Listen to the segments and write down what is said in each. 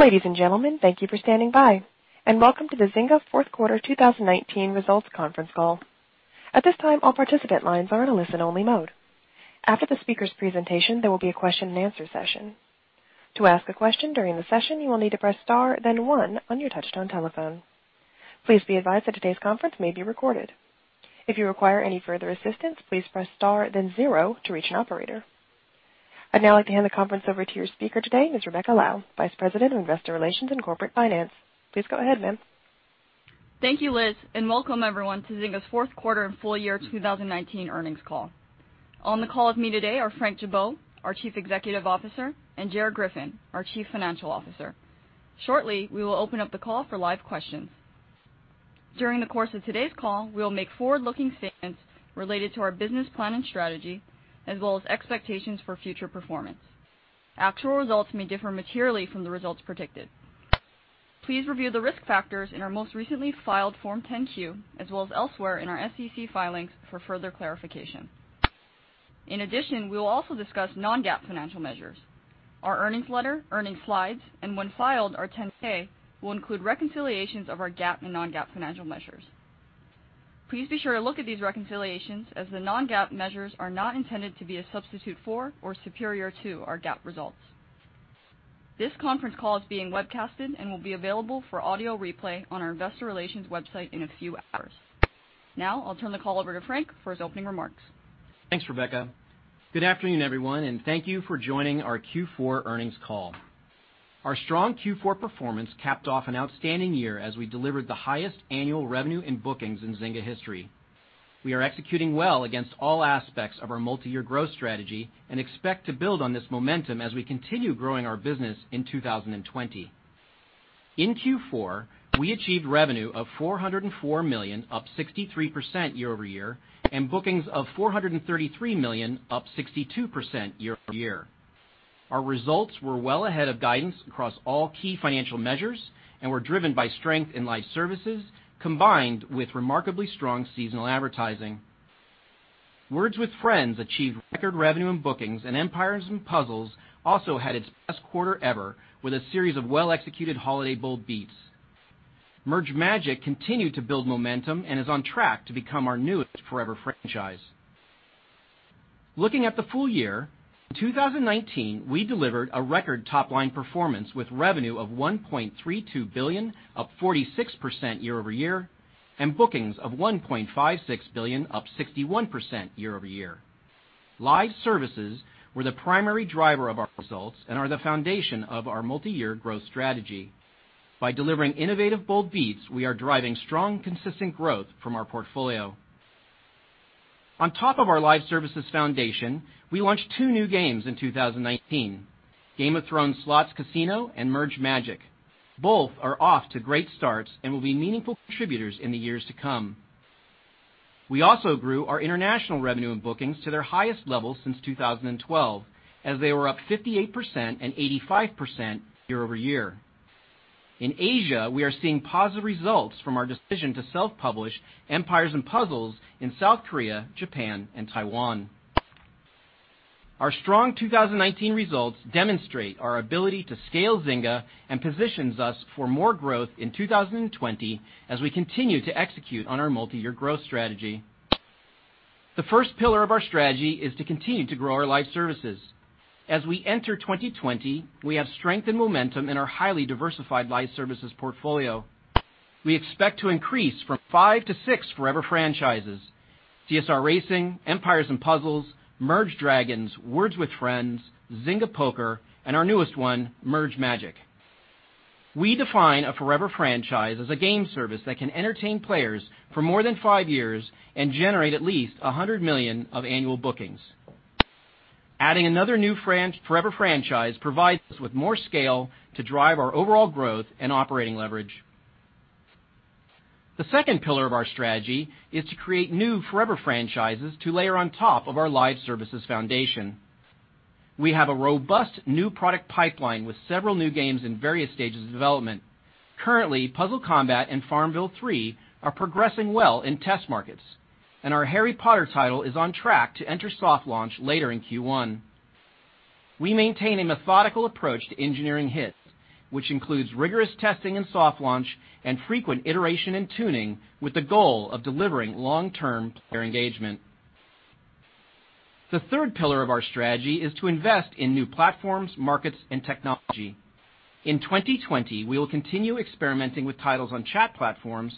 Ladies and gentlemen, thank you for standing by, welcome to the Zynga fourth quarter 2019 Results Conference Call. At this time, all participant lines are in a listen-only mode. After the speaker's presentation, there will be a question and answer session. To ask a question during the session, you will need to press star then one on your touch-tone telephone. Please be advised that today's conference may be recorded. If you require any further assistance, please press star then zero to reach an operator. I'd now like to hand the conference over to your speaker today, Ms. Rebecca Lau, Vice President of Investor Relations and Corporate Finance. Please go ahead, ma'am. Thank you, Liz. Welcome everyone to Zynga's fourth quarter and full year 2019 earnings call. On the call with me today are Frank Gibeau, our Chief Executive Officer, and Ger Griffin, our Chief Financial Officer. Shortly, we will open up the call for live questions. During the course of today's call, we will make forward-looking statements related to our business plan and strategy, as well as expectations for future performance. Actual results may differ materially from the results predicted. Please review the risk factors in our most recently filed Form 10-Q, as well as elsewhere in our SEC filings for further clarification. In addition, we will also discuss non-GAAP financial measures. Our earnings letter, earnings slides, and when filed, our 10-K, will include reconciliations of our GAAP and non-GAAP financial measures. Please be sure to look at these reconciliations as the non-GAAP measures are not intended to be a substitute for or superior to our GAAP results. This conference call is being webcasted and will be available for audio replay on our investor relations website in a few hours. Now, I'll turn the call over to Frank for his opening remarks. Thanks, Rebecca. Good afternoon, everyone, and thank you for joining our Q4 earnings call. Our strong Q4 performance capped off an outstanding year as we delivered the highest annual revenue in bookings in Zynga history. We are executing well against all aspects of our multi-year growth strategy and expect to build on this momentum as we continue growing our business in 2020. In Q4, we achieved revenue of $404 million, up 63% year-over-year, and bookings of $433 million, up 62% year-over-year. Our results were well ahead of guidance across all key financial measures and were driven by strength in live services combined with remarkably strong seasonal advertising. Words With Friends achieved record revenue and 1bookings. Empires & Puzzles also had its best quarter ever with a series of well-executed holiday bold beats. Merge Magic! continued to build momentum and is on track to become our newest forever franchise. Looking at the full year, in 2019, we delivered a record top-line performance with revenue of $1.32 billion, up 46% year-over-year, and bookings of $1.56 billion, up 61% year-over-year. Live services were the primary driver of our results and are the foundation of our multi-year growth strategy. By delivering innovative bold beats, we are driving strong, consistent growth from our portfolio. On top of our live services foundation, we launched two new games in 2019, Game of Thrones Slots Casino and Merge Magic! Both are off to great starts and will be meaningful contributors in the years to come. We also grew our international revenue and bookings to their highest level since 2012, as they were up 58% and 85% year-over-year. In Asia, we are seeing positive results from our decision to self-publish Empires & Puzzles in South Korea, Japan, and Taiwan. Our strong 2019 results demonstrate our ability to scale Zynga and positions us for more growth in 2020 as we continue to execute on our multi-year growth strategy. The first pillar of our strategy is to continue to grow our live services. As we enter 2020, we have strength and momentum in our highly diversified live services portfolio. We expect to increase from five to six forever franchises, CSR Racing, Empires & Puzzles, Merge Dragons!, Words With Friends, Zynga Poker, and our newest one, Merge Magic! We define a forever franchise as a game service that can entertain players for more than five years and generate at least $100 million of annual bookings. Adding another new forever franchise provides us with more scale to drive our overall growth and operating leverage. The second pillar of our strategy is to create new forever franchises to layer on top of our live services foundation. We have a robust new product pipeline with several new games in various stages of development. Currently, Puzzle Combat and FarmVille 3 are progressing well in test markets, and our Harry Potter title is on track to enter soft launch later in Q1. We maintain a methodical approach to engineering hits, which includes rigorous testing and soft launch and frequent iteration and tuning with the goal of delivering long-term player engagement. The third pillar of our strategy is to invest in new platforms, markets, and technology. In 2020, we will continue experimenting with titles on chat platforms,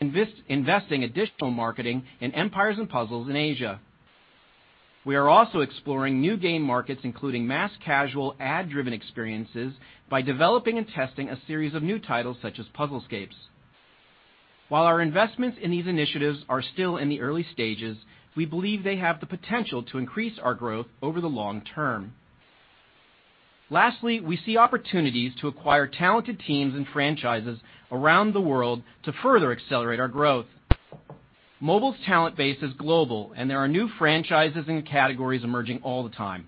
investing additional marketing in Empires & Puzzles in Asia. We are also exploring new game markets, including mass casual ad-driven experiences, by developing and testing a series of new titles such as Puzzlescapes. While our investments in these initiatives are still in the early stages, we believe they have the potential to increase our growth over the long term. Lastly, we see opportunities to acquire talented teams and franchises around the world to further accelerate our growth. Mobile's talent base is global, and there are new franchises and categories emerging all the time.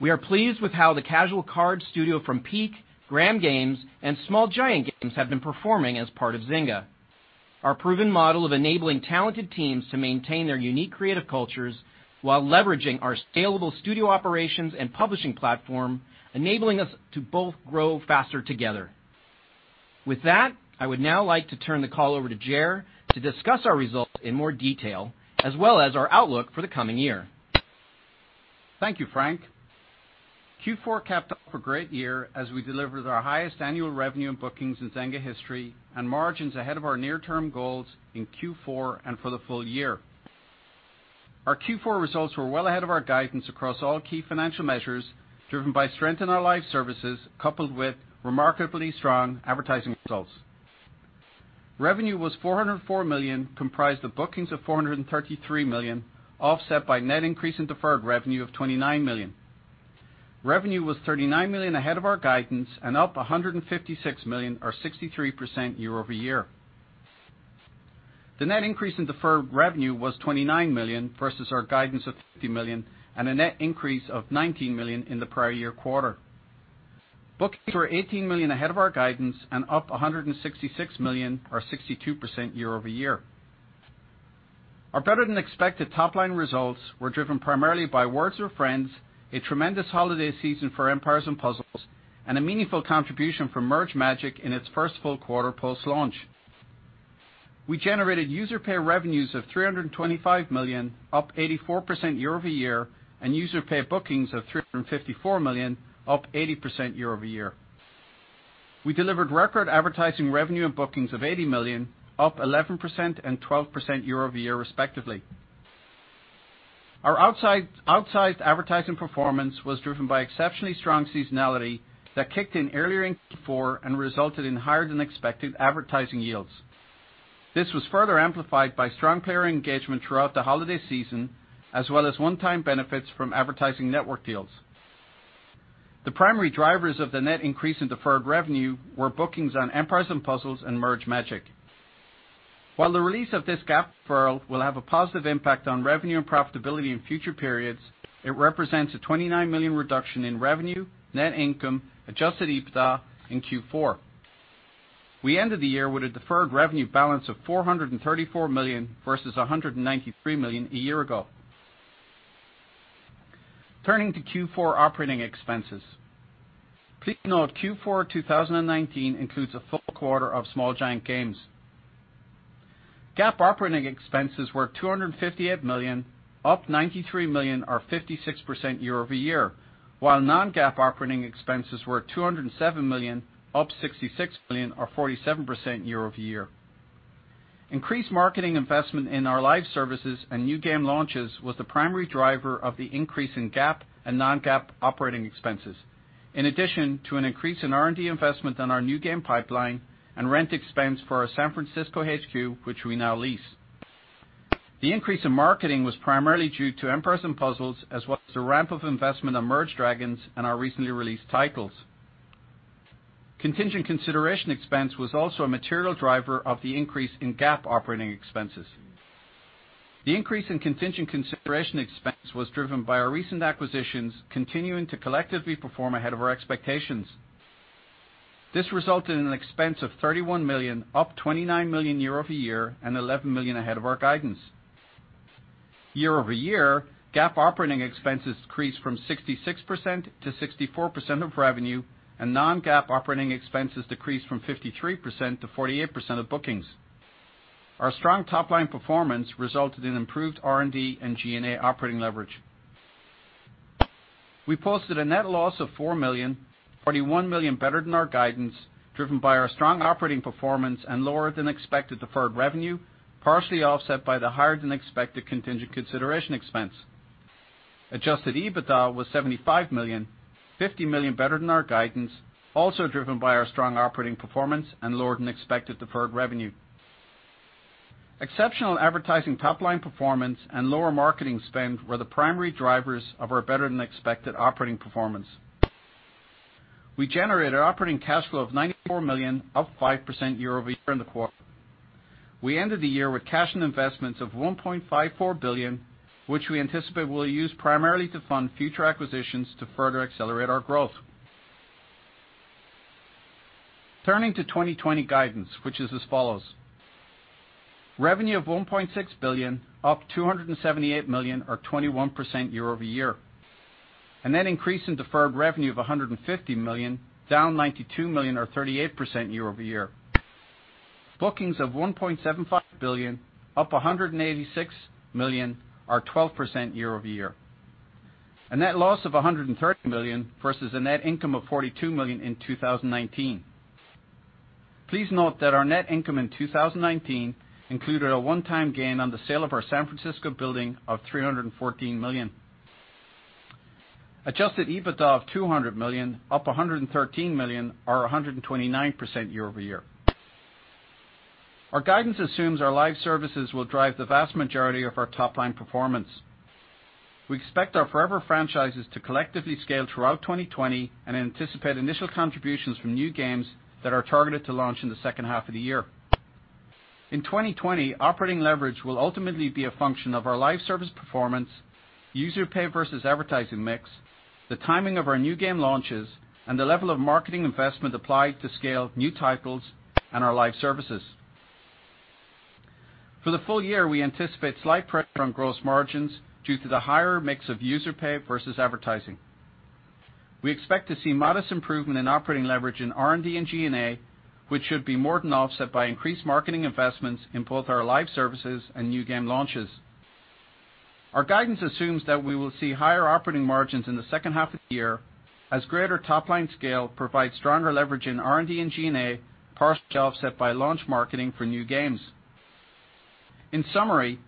We are pleased with how the Casual Cards studio from Peak, Gram Games, and Small Giant Games have been performing as part of Zynga. Our proven model of enabling talented teams to maintain their unique creative cultures while leveraging our scalable studio operations and publishing platform, enabling us to both grow faster together. With that, I would now like to turn the call over to Ger to discuss our results in more detail, as well as our outlook for the coming year. Thank you, Frank. Q4 capped off a great year as we delivered our highest annual revenue and bookings in Zynga history and margins ahead of our near-term goals in Q4 and for the full year. Our Q4 results were well ahead of our guidance across all key financial measures, driven by strength in our live services, coupled with remarkably strong advertising results. Revenue was $404 million, comprised of bookings of $433 million, offset by net increase in deferred revenue of $29 million. Revenue was $39 million ahead of our guidance and up $156 million or 63% year-over-year. The net increase in deferred revenue was $29 million versus our guidance of $50 million and a net increase of $19 million in the prior year quarter. Bookings were $18 million ahead of our guidance and up $166 million or 62% year-over-year. Our better-than-expected top-line results were driven primarily by Words With Friends, a tremendous holiday season for Empires & Puzzles, and a meaningful contribution from Merge Magic! in its first full quarter post-launch. We generated user pay revenues of $325 million, up 84% year-over-year, and user pay bookings of $354 million, up 80% year-over-year. We delivered record advertising revenue and bookings of $80 million, up 11% and 12% year-over-year respectively. Our outsized advertising performance was driven by exceptionally strong seasonality that kicked in earlier in Q4 and resulted in higher-than-expected advertising yields. This was further amplified by strong player engagement throughout the holiday season, as well as one-time benefits from advertising network deals. The primary drivers of the net increase in deferred revenue were bookings on Empires & Puzzles and Merge Magic! While the release of this GAAP deferral will have a positive impact on revenue and profitability in future periods, it represents a $29 million reduction in revenue, net income, adjusted EBITDA in Q4. We ended the year with a deferred revenue balance of $434 million versus $193 million a year ago. Turning to Q4 operating expenses. Please note Q4 2019 includes a full quarter of Small Giant Games. GAAP operating expenses were $258 million, up $93 million or 56% year-over-year, while non-GAAP operating expenses were $207 million, up $66 million or 47% year-over-year. Increased marketing investment in our live services and new game launches was the primary driver of the increase in GAAP and non-GAAP operating expenses, in addition to an increase in R&D investment on our new game pipeline and rent expense for our San Francisco HQ, which we now lease. The increase in marketing was primarily due to Empires & Puzzles as well as the ramp of investment on Merge Dragons! and our recently released titles. Contingent consideration expense was also a material driver of the increase in GAAP operating expenses. The increase in contingent consideration expense was driven by our recent acquisitions continuing to collectively perform ahead of our expectations. This resulted in an expense of $31 million, up $29 million year-over-year and $11 million ahead of our guidance. Year-over-year, GAAP operating expenses decreased from 66% to 64% of revenue, and non-GAAP operating expenses decreased from 53% to 48% of bookings. Our strong top-line performance resulted in improved R&D and G&A operating leverage. We posted a net loss of $4 million, $41 million better than our guidance, driven by our strong operating performance and lower-than-expected deferred revenue, partially offset by the higher-than-expected contingent consideration expense. Adjusted EBITDA was $75 million, $50 million better than our guidance, also driven by our strong operating performance and lower-than-expected deferred revenue. Exceptional advertising, top-line performance and lower marketing spend were the primary drivers of our better-than-expected operating performance. We generated operating cash flow of $94 million, up 5% year-over-year in the quarter. We ended the year with cash and investments of $1.54 billion, which we anticipate we'll use primarily to fund future acquisitions to further accelerate our growth. Turning to 2020 guidance, which is as follows. Revenue of $1.6 billion, up $278 million or 21% year-over-year. A net increase in deferred revenue of $150 million, down $92 million or 38% year-over-year. Bookings of $1.75 billion, up $186 million or 12% year-over-year. A net loss of $130 million versus a net income of $42 million in 2019. Please note that our net income in 2019 included a one-time gain on the sale of our San Francisco building of $314 million. Adjusted EBITDA of $200 million, up $113 million, or 129% year-over-year. Our guidance assumes our live services will drive the vast majority of our top-line performance. We expect our forever franchises to collectively scale throughout 2020 and anticipate initial contributions from new games that are targeted to launch in the second half of the year. In 2020, operating leverage will ultimately be a function of our live service performance, user pay versus advertising mix, the timing of our new game launches, and the level of marketing investment applied to scale new titles and our live services. For the full year, we anticipate slight pressure on gross margins due to the higher mix of user pay versus advertising. We expect to see modest improvement in operating leverage in R&D and G&A, which should be more than offset by increased marketing investments in both our live services and new game launches. Our guidance assumes that we will see higher operating margins in the second half of the year as greater top-line scale provides stronger leverage in R&D and G&A, partially offset by launch marketing for new games. In summary,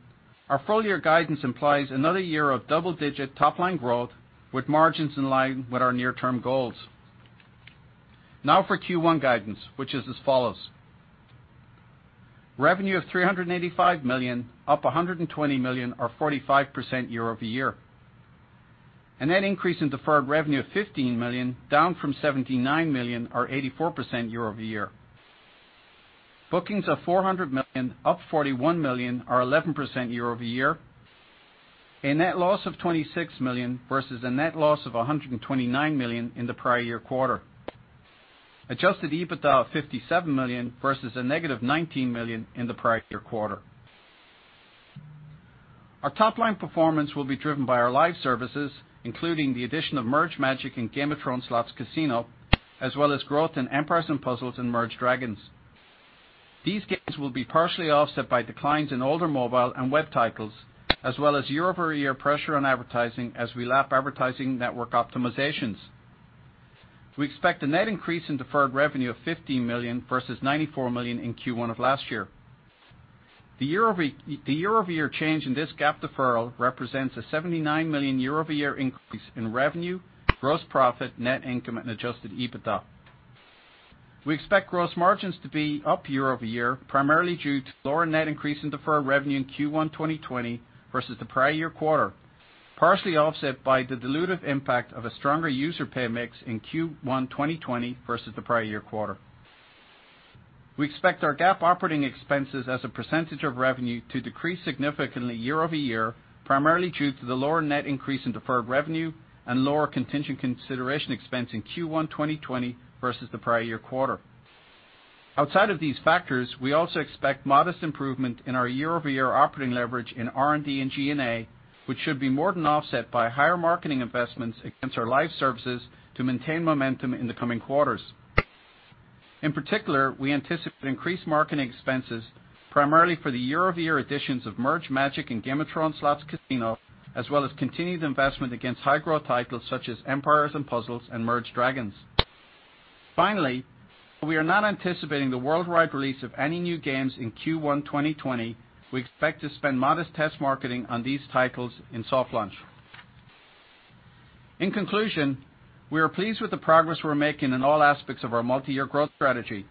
our full-year guidance implies another year of double-digit top-line growth with margins in line with our near-term goals. Now for Q1 guidance, which is as follows. Revenue of $385 million, up $120 million or 45% year-over-year. A net increase in deferred revenue of $15 million, down from $79 million or 84% year-over-year. Bookings of $400 million, up $41 million or 11% year-over-year. A net loss of $26 million versus a net loss of $129 million in the prior year quarter. Adjusted EBITDA of $57 million versus a negative $19 million in the prior year quarter. Our top-line performance will be driven by our live services, including the addition of Merge Magic! and Game of Thrones Slots Casino, as well as growth in Empires & Puzzles and Merge Dragons!. These games will be partially offset by declines in older mobile and web titles, as well as year-over-year pressure on advertising as we lap advertising network optimizations. We expect a net increase in deferred revenue of $15 million versus $94 million in Q1 of last year. The year-over-year change in this GAAP deferral represents a $79 million year-over-year increase in revenue, gross profit, net income, and adjusted EBITDA. We expect gross margins to be up year-over-year, primarily due to lower net increase in deferred revenue in Q1 2020 versus the prior year quarter, partially offset by the dilutive impact of a stronger user pay mix in Q1 2020 versus the prior year quarter. We expect our GAAP operating expenses as a percentage of revenue to decrease significantly year-over-year, primarily due to the lower net increase in deferred revenue and lower contingent consideration expense in Q1 2020 versus the prior year quarter. Outside of these factors, we also expect modest improvement in our year-over-year operating leverage in R&D and G&A, which should be more than offset by higher marketing investments against our live services to maintain momentum in the coming quarters. In particular, we anticipate increased marketing expenses primarily for the year-over-year additions of Merge Magic! Game of Thrones Slots Casino, as well as continued investment against high-growth titles such as Empires & Puzzles and Merge Dragons!. Finally, we are not anticipating the worldwide release of any new games in Q1 2020. We expect to spend modest test marketing on these titles in soft launch. In conclusion, we are pleased with the progress we're making in all aspects of our multi-year growth strategy.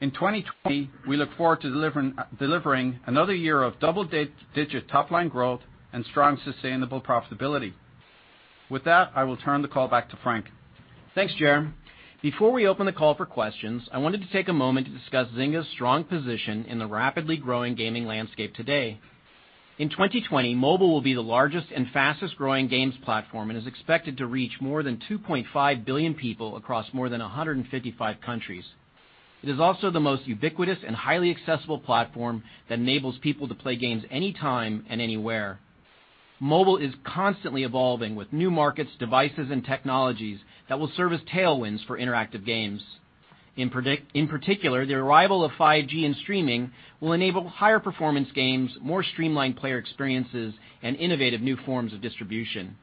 In 2020, we look forward to delivering another year of double-digit top-line growth and strong, sustainable profitability. With that, I will turn the call back to Frank. Thanks, Ger. Before we open the call for questions, I wanted to take a moment to discuss Zynga's strong position in the rapidly growing gaming landscape today. In 2020, mobile will be the largest and fastest-growing games platform and is expected to reach more than 2.5 billion people across more than 155 countries. It is also the most ubiquitous and highly accessible platform that enables people to play games anytime and anywhere. Mobile is constantly evolving with new markets, devices, and technologies that will serve as tailwinds for interactive games. In particular, the arrival of 5G and streaming will enable higher performance games, more streamlined player experiences, and innovative new forms of distribution.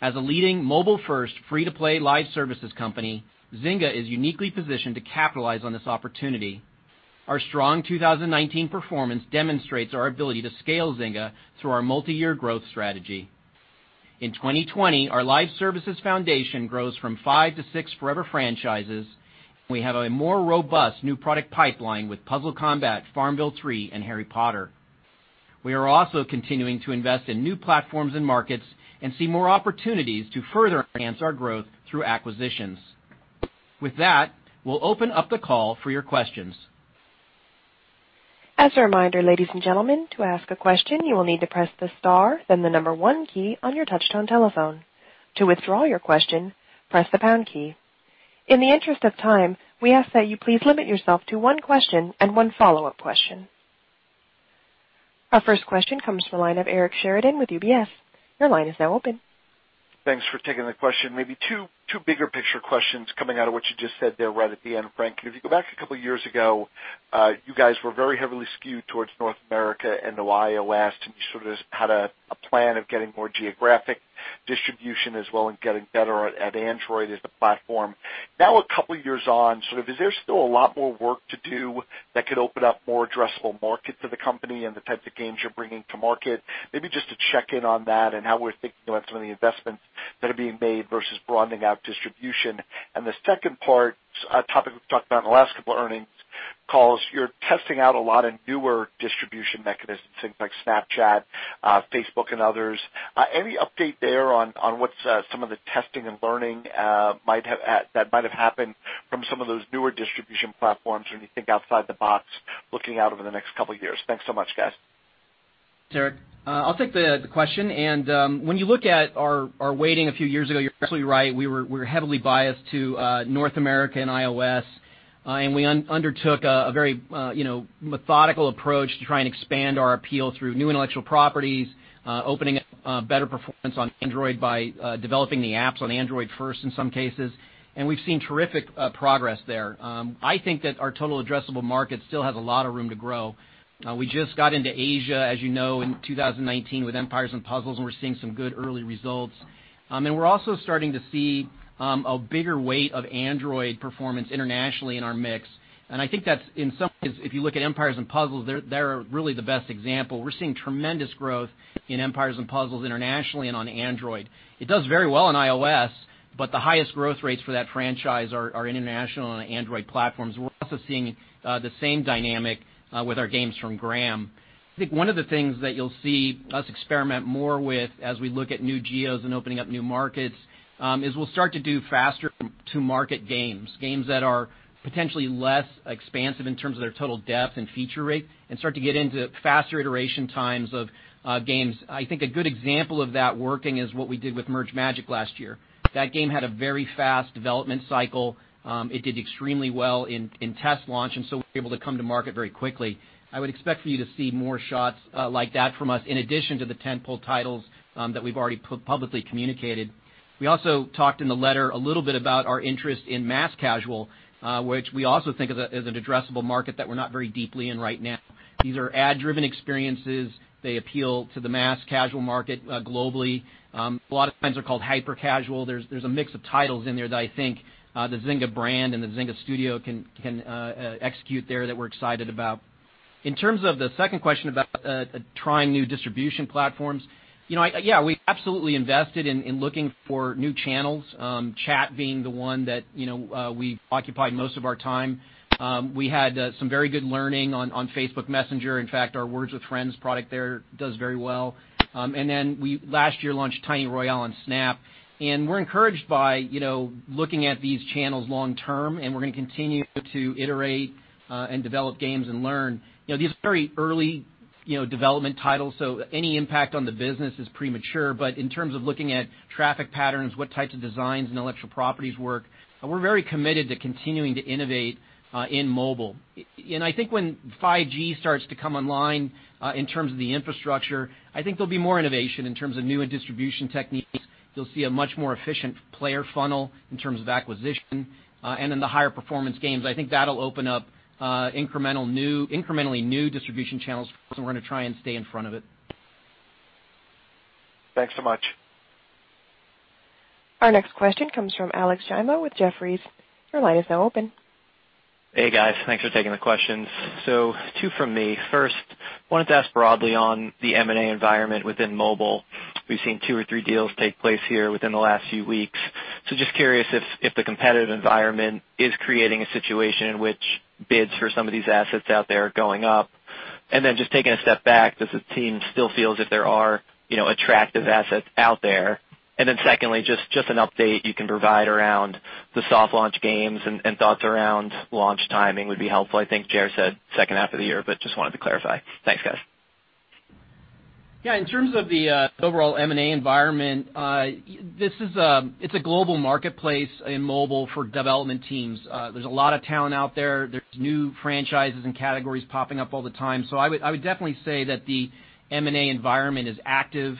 As a leading mobile-first, free-to-play live services company, Zynga is uniquely positioned to capitalize on this opportunity. Our strong 2019 performance demonstrates our ability to scale Zynga through our multi-year growth strategy. In 2020, our live services foundation grows from five to six forever franchises. We have a more robust new product pipeline with Puzzle Combat, FarmVille 3, and Harry Potter. We are also continuing to invest in new platforms and markets and see more opportunities to further enhance our growth through acquisitions. With that, we'll open up the call for your questions. As a reminder, ladies and gentlemen, to ask a question, you will need to press the star then the number one key on your touch-tone telephone. To withdraw your question, press the pound key. In the interest of time, we ask that you please limit yourself to one question and one follow-up question. Our first question comes from the line of Eric Sheridan with UBS. Your line is now open. Thanks for taking the question. Maybe two bigger picture questions coming out of what you just said there right at the end, Frank. If you go back a couple of years ago, you guys were very heavily skewed towards North America and the iOS, and you sort of had a plan of getting more geographic distribution as well and getting better at Android as the platform. A couple years on, is there still a lot more work to do that could open up more addressable market to the company and the types of games you're bringing to market? Maybe just to check in on that and how we're thinking about some of the investments that are being made versus broadening out distribution. The second part, a topic we've talked about in the last couple earnings calls, you're testing out a lot of newer distribution mechanisms, things like Snapchat, Facebook, and others. Any update there on what some of the testing and learning that might have happened from some of those newer distribution platforms when you think outside the box looking out over the next couple of years? Thanks so much, guys. Eric, I'll take the question. When you look at our waiting a few years ago, you're absolutely right. We were heavily biased to North America and iOS, and we undertook a very methodical approach to try and expand our appeal through new intellectual properties, opening up better performance on Android by developing the apps on Android first in some cases, and we've seen terrific progress there. I think that our total addressable market still has a lot of room to grow. We just got into Asia, as you know, in 2019 with Empires & Puzzles, and we're seeing some good early results. We're also starting to see a bigger weight of Android performance internationally in our mix. I think that's in some ways, if you look at Empires & Puzzles, they're really the best example. We're seeing tremendous growth in Empires & Puzzles internationally and on Android. It does very well on iOS, but the highest growth rates for that franchise are international on the Android platforms. We're also seeing the same dynamic with our games from Gram. I think one of the things that you'll see us experiment more with as we look at new geos and opening up new markets, is we'll start to do faster to market games that are potentially less expansive in terms of their total depth and feature rate and start to get into faster iteration times of games. I think a good example of that working is what we did with Merge Magic! last year. That game had a very fast development cycle. It did extremely well in test launch and so we were able to come to market very quickly. I would expect for you to see more shots like that from us, in addition to the 10 pull titles that we've already publicly communicated. We also talked in the letter a little bit about our interest in mass casual, which we also think of as an addressable market that we're not very deeply in right now. These are ad-driven experiences. They appeal to the mass casual market globally. A lot of times they're called hyper casual. There's a mix of titles in there that I think the Zynga brand and the Zynga studio can execute there that we're excited about. In terms of the second question about trying new distribution platforms, yeah, we absolutely invested in looking for new channels, chat being the one that we've occupied most of our time. We had some very good learning on Facebook Messenger. In fact, our Words With Friends product there does very well. We last year launched Tiny Royale on Snap. We're encouraged by looking at these channels long term, and we're going to continue to iterate and develop games and learn. These are very early development titles, so any impact on the business is premature. In terms of looking at traffic patterns, what types of designs and intellectual properties work, and we're very committed to continuing to innovate in mobile. I think when 5G starts to come online in terms of the infrastructure, I think there'll be more innovation in terms of new distribution techniques. You'll see a much more efficient player funnel in terms of acquisition. In the higher performance games, I think that'll open up incrementally new distribution channels for us and we're going to try and stay in front of it. Thanks so much. Our next question comes from Alex Giaimo with Jefferies. Your line is now open. Hey, guys. Thanks for taking the questions. Two from me. First, wanted to ask broadly on the M&A environment within mobile. We've seen two or three deals take place here within the last few weeks. Just curious if the competitive environment is creating a situation in which bids for some of these assets out there are going up. Just taking a step back, does the team still feel as if there are attractive assets out there? Secondly, just an update you can provide around the soft launch games and thoughts around launch timing would be helpful. I think Gerard said second half of the year, but just wanted to clarify. Thanks, guys. Yeah. In terms of the overall M&A environment, it's a global marketplace in mobile for development teams. There's a lot of talent out there. There's new franchises and categories popping up all the time. I would definitely say that the M&A environment is active.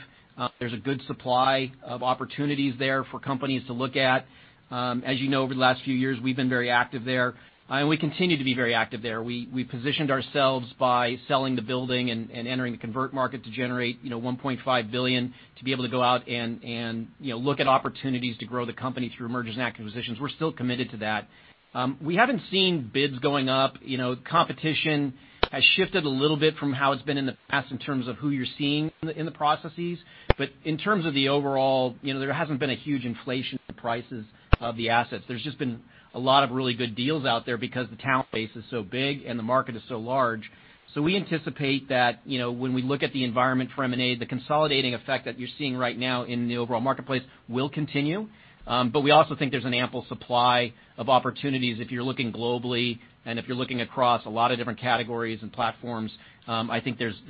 There's a good supply of opportunities there for companies to look at. As you know, over the last few years, we've been very active there. We continue to be very active there. We positioned ourselves by selling the building and entering the convert market to generate $1.5 billion to be able to go out and look at opportunities to grow the company through mergers and acquisitions. We're still committed to that. We haven't seen bids going up. Competition has shifted a little bit from how it's been in the past in terms of who you're seeing in the processes. In terms of the overall, there hasn't been a huge inflation in the prices of the assets. There's just been a lot of really good deals out there because the talent base is so big and the market is so large. We anticipate that when we look at the environment for M&A, the consolidating effect that you're seeing right now in the overall marketplace will continue. We also think there's an ample supply of opportunities if you're looking globally and if you're looking across a lot of different categories and platforms, I think there's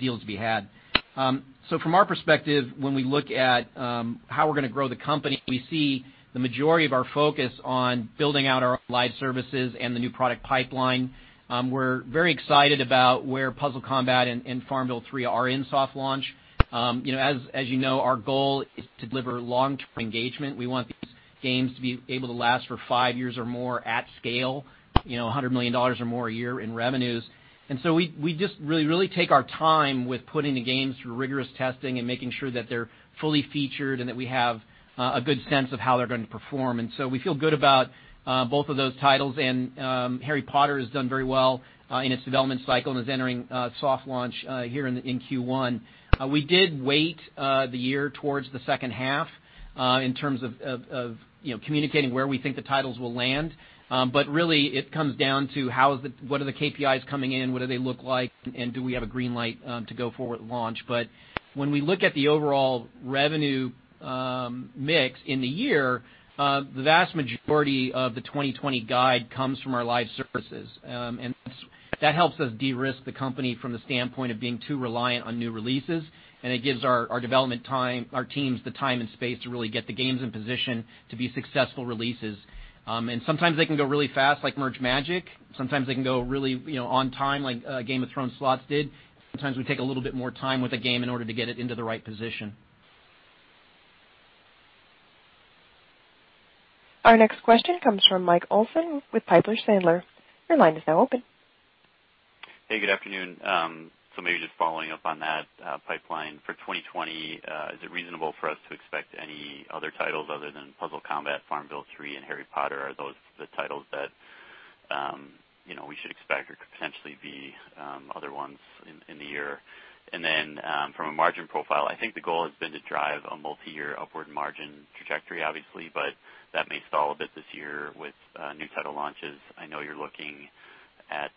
deals to be had. From our perspective, when we look at how we're going to grow the company, we see the majority of our focus on building out our live services and the new product pipeline. We're very excited about where Puzzle Combat and FarmVille 3 are in soft launch. As you know, our goal is to deliver long-term engagement. We want these games to be able to last for five years or more at scale, $100 million or more a year in revenues. We just really take our time with putting the games through rigorous testing and making sure that they're fully featured and that we have a good sense of how they're going to perform. We feel good about both of those titles and Harry Potter has done very well in its development cycle and is entering soft launch here in Q1. We did wait the year towards the second half in terms of communicating where we think the titles will land. Really it comes down to what are the KPIs coming in, what do they look like, and do we have a green light to go forward with launch? When we look at the overall revenue mix in the year, the vast majority of the 2020 guide comes from our live services. That helps us de-risk the company from the standpoint of being too reliant on new releases, and it gives our development teams the time and space to really get the games in position to be successful releases. Sometimes they can go really fast, like Merge Magic! Sometimes they can go really on time, like Game of Thrones Slots did. Sometimes we take a little bit more time with a game in order to get it into the right position. Our next question comes from Michael Olson with Piper Sandler. Your line is now open. Hey, good afternoon. Maybe just following up on that pipeline for 2020, is it reasonable for us to expect any other titles other than Puzzle Combat, FarmVille 3, and Harry Potter? Are those the titles that we should expect or could potentially be other ones in the year? Then from a margin profile, I think the goal has been to drive a multi-year upward margin trajectory, obviously, but that may stall a bit this year with new title launches. I know you're looking at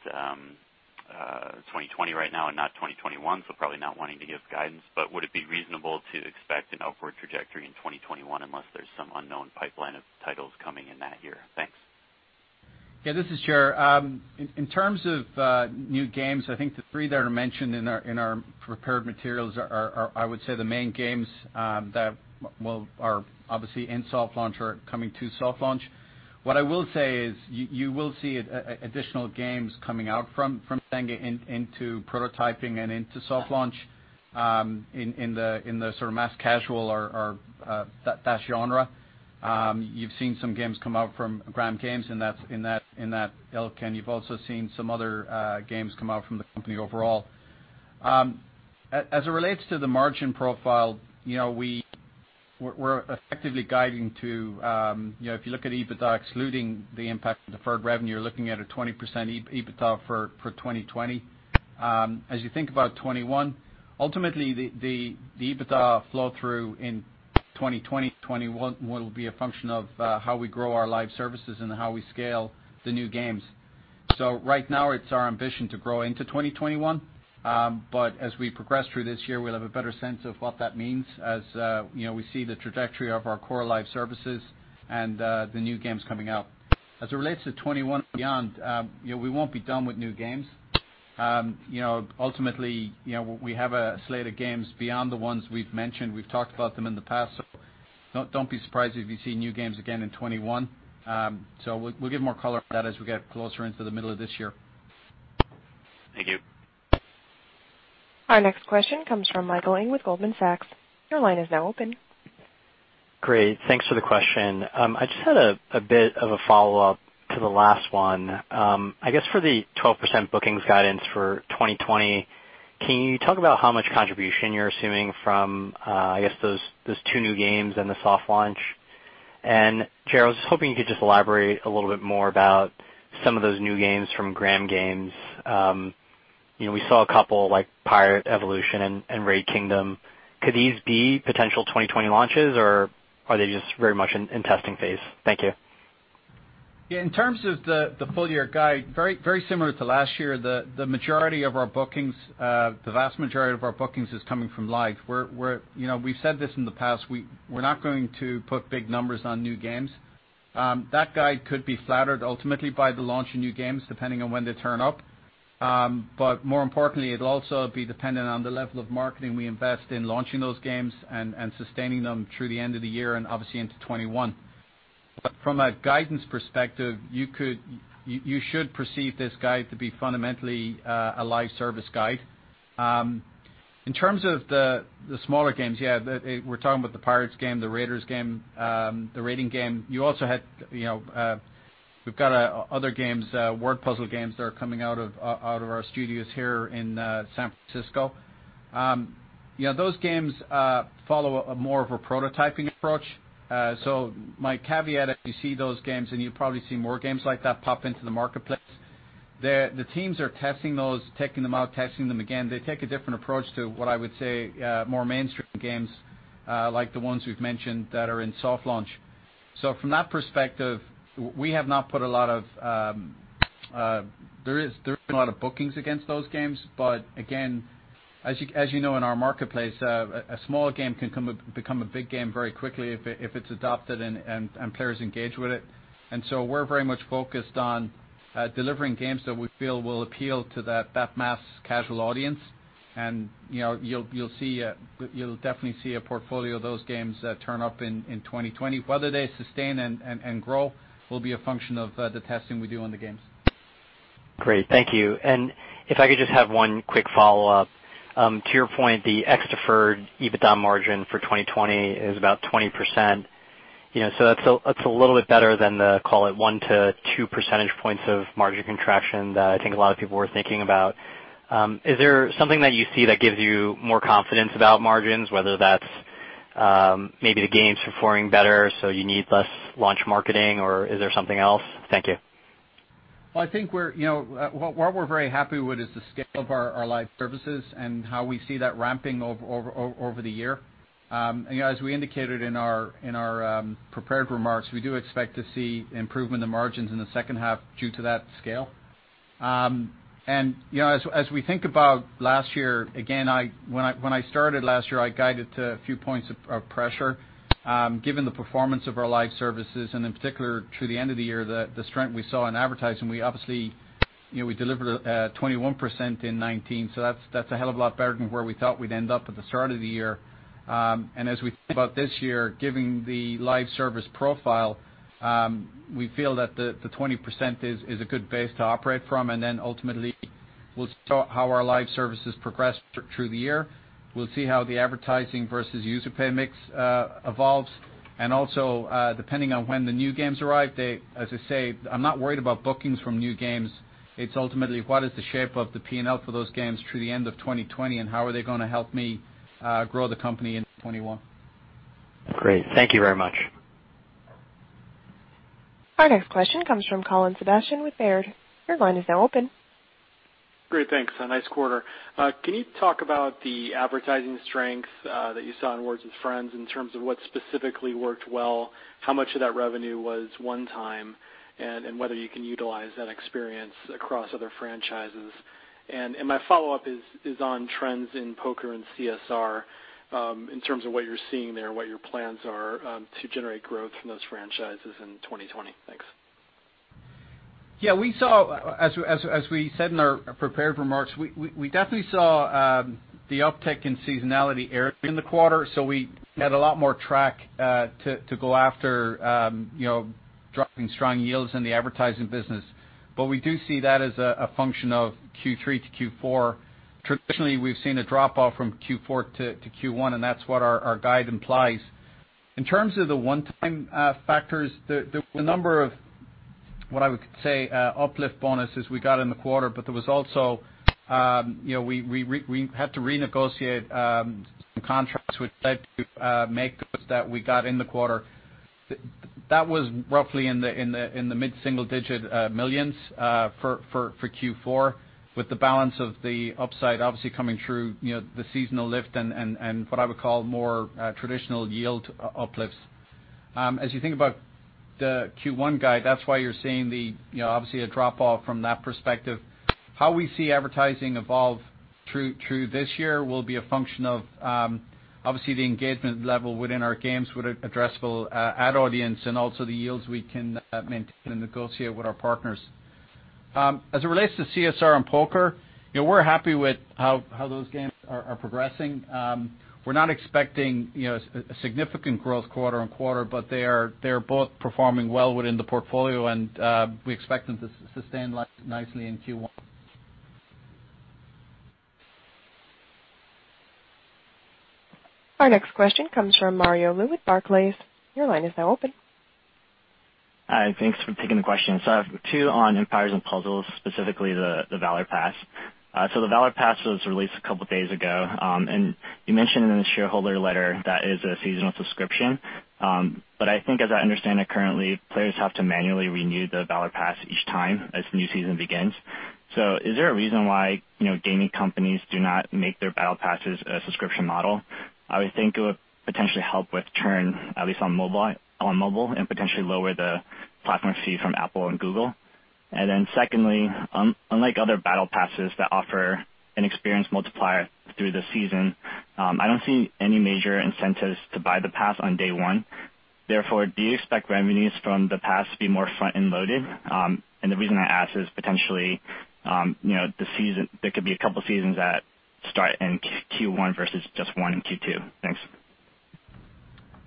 2020 right now and not 2021, probably not wanting to give guidance, but would it be reasonable to expect an upward trajectory in 2021 unless there's some unknown pipeline of titles coming in that year? Thanks. Yeah, this is Ger. In terms of new games, I think the three that are mentioned in our prepared materials are, I would say, the main games that are obviously in soft launch or coming to soft launch. What I will say is you will see additional games coming out from Zynga into prototyping and into soft launch in the sort of mass casual or that genre. You've seen some games come out from Gram Games in that ilk, you've also seen some other games come out from the company overall. As it relates to the margin profile, we're effectively guiding to, if you look at EBITDA excluding the impact of deferred revenue, you're looking at a 20% EBITDA for 2020. As you think about 2021, ultimately, the EBITDA flow-through in 2020 to 2021 will be a function of how we grow our live services and how we scale the new games. Right now it's our ambition to grow into 2021. As we progress through this year, we'll have a better sense of what that means as we see the trajectory of our core live services and the new games coming out. As it relates to 2021 and beyond, we won't be done with new games. Ultimately, we have a slate of games beyond the ones we've mentioned. We've talked about them in the past, don't be surprised if you see new games again in 2021. We'll give more color on that as we get closer into the middle of this year. Thank you. Our next question comes from Michael Ng with Goldman Sachs. Your line is now open. Great. Thanks for the question. I just had a bit of a follow-up to the last one. I guess for the 12% bookings guidance for 2020, can you talk about how much contribution you're assuming from, I guess, those two new games and the soft launch? Ger, I was just hoping you could just elaborate a little bit more about some of those new games from Gram Games. We saw a couple like Pirate Evolution! and Raid Kingdom! Could these be potential 2020 launches, or are they just very much in testing phase? Thank you. Yeah, in terms of the full year guide, very similar to last year. The vast majority of our bookings is coming from live. We've said this in the past. We're not going to put big numbers on new games. That guide could be flattered ultimately by the launch of new games, depending on when they turn up. More importantly, it will also be dependent on the level of marketing we invest in launching those games and sustaining them through the end of the year and obviously into 2021. From a guidance perspective, you should perceive this guide to be fundamentally a live service guide. In terms of the smaller games, yeah, we're talking about the Pirate Evolution! game, the Raid Kingdom! game, the Raid Kingdom! game. We've got other games, word puzzle games that are coming out of our studios here in San Francisco. Those games follow more of a prototyping approach. My caveat, if you see those games and you probably see more games like that pop into the marketplace, the teams are testing those, taking them out, testing them again. They take a different approach to what I would say more mainstream games like the ones we've mentioned that are in soft launch. From that perspective, there isn't a lot of bookings against those games. Again, as you know, in our marketplace, a small game can become a big game very quickly if it's adopted and players engage with it. We're very much focused on delivering games that we feel will appeal to that mass casual audience. You'll definitely see a portfolio of those games turn up in 2020. Whether they sustain and grow will be a function of the testing we do on the games. Great. Thank you. If I could just have one quick follow-up. To your point, the ex-deferred EBITDA margin for 2020 is about 20%. That's a little bit better than the, call it, one to two percentage points of margin contraction that I think a lot of people were thinking about. Is there something that you see that gives you more confidence about margins, whether that's maybe the game's performing better, so you need less launch marketing, or is there something else? Thank you. Well, I think what we're very happy with is the scale of our live services and how we see that ramping over the year. As we indicated in our prepared remarks, we do expect to see improvement in margins in the second half due to that scale. As we think about last year, again, when I started last year, I guided to a few points of pressure given the performance of our live services and in particular through the end of the year, the strength we saw in advertising. We obviously delivered 21% in 2019. That's a hell of a lot better than where we thought we'd end up at the start of the year. As we think about this year, given the live service profile, we feel that the 20% is a good base to operate from. Ultimately, we'll see how our live services progress through the year. We'll see how the advertising versus user pay mix evolves, and also depending on when the new games arrive, as I say, I'm not worried about bookings from new games. It's ultimately what is the shape of the P&L for those games through the end of 2020, and how are they going to help me grow the company in 2021? Great. Thank you very much. Our next question comes from Colin Sebastian with Baird. Your line is now open. Great. Thanks. Nice quarter. Can you talk about the advertising strength that you saw in Words With Friends in terms of what specifically worked well, how much of that revenue was one-time, and whether you can utilize that experience across other franchises? My follow-up is on trends in poker and CSR in terms of what you're seeing there and what your plans are to generate growth from those franchises in 2020. Thanks. Yeah. As we said in our prepared remarks, we definitely saw the uptick in seasonality early in the quarter. We had a lot more track to go after dropping strong yields in the advertising business. We do see that as a function of Q3 to Q4. Traditionally, we've seen a drop-off from Q4 to Q1, and that's what our guide implies. In terms of the one-time factors, there were a number of, what I would say, uplift bonuses we got in the quarter, but there was also we had to renegotiate some contracts, which led to make those that we got in the quarter. That was roughly in the mid-single digit millions for Q4, with the balance of the upside obviously coming through the seasonal lift and what I would call more traditional yield uplifts. As you think about the Q1 guide, that's why you're seeing obviously a drop off from that perspective. How we see advertising evolve through this year will be a function of obviously the engagement level within our games with addressable ad audience and also the yields we can maintain and negotiate with our partners. As it relates to CSR and poker, we're happy with how those games are progressing. We're not expecting a significant growth quarter-on-quarter, but they're both performing well within the portfolio, and we expect them to sustain nicely in Q1. Our next question comes from Mario Lu with Barclays. Your line is now open. Hi, thanks for taking the question. I have two on Empires & Puzzles, specifically the Valor Pass. The Valor Pass was released a couple of days ago. You mentioned in the shareholder letter that is a seasonal subscription. I think as I understand it, currently players have to manually renew the Valor Pass each time as the new season begins. Is there a reason why gaming companies do not make their battle passes a subscription model? I would think it would potentially help with churn, at least on mobile, and potentially lower the platform fee from Apple and Google. Secondly, unlike other battle passes that offer an experience multiplier through the season, I don't see any major incentives to buy the pass on day one. Therefore, do you expect revenues from the pass to be more front-end loaded? The reason I ask is potentially there could be a couple of seasons that start in Q1 versus just one in Q2. Thanks.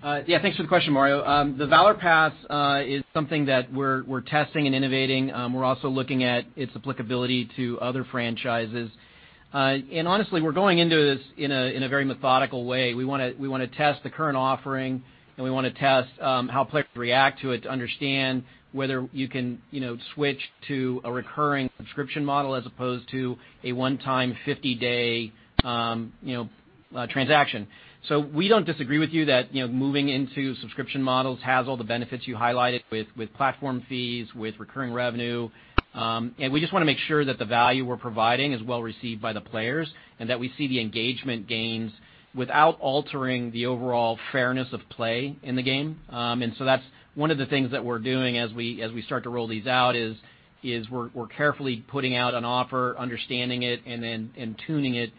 Yeah. Thanks for the question, Mario. The Valor Pass is something that we're testing and innovating. We're also looking at its applicability to other franchises. Honestly, we're going into this in a very methodical way. We want to test the current offering, and we want to test how players react to it to understand whether you can switch to a recurring subscription model as opposed to a one-time 50-day transaction. We don't disagree with you that moving into subscription models has all the benefits you highlighted with platform fees, with recurring revenue. We just want to make sure that the value we're providing is well received by the players and that we see the engagement gains without altering the overall fairness of play in the game. That's one of the things that we're doing as we start to roll these out is we're carefully putting out an offer, understanding it, and tuning it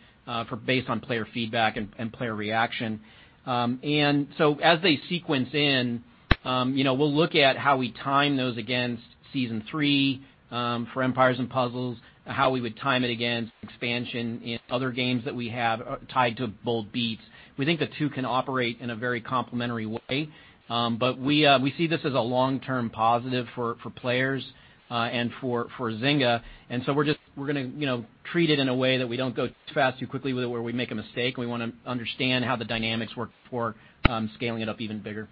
based on player feedback and player reaction. As they sequence in, we'll look at how we time those against Season three for Empires & Puzzles and how we would time it against expansion in other games that we have tied to bold beats. We think the two can operate in a very complementary way. We see this as a long-term positive for players and for Zynga, we're going to treat it in a way that we don't go too fast, too quickly where we make a mistake. We want to understand how the dynamics work before scaling it up even bigger.